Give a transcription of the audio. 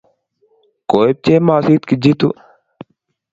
Koib chemosit Kijitu?